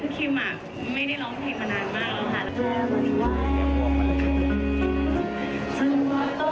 คิมอะไม่ได้ร้องหลายมากแล้วค่ะ